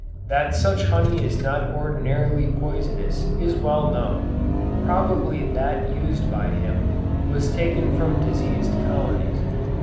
That such honey is not ordinarily poisonous, is well known: probably that used by him, was taken from diseased colonies.